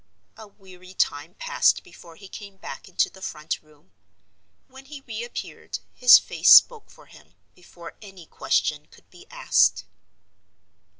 A weary time passed before he came back into the front room. When he re appeared, his face spoke for him, before any question could be asked.